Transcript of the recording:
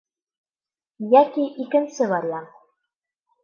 Йәки икенсе вариант.